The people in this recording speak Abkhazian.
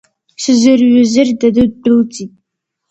Сзырҩызыр, даду ддәылҵит.